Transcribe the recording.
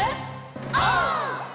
オー！